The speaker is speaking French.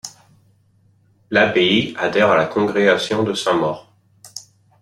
L'abbaye adhère à la congrégation de Saint-Maur.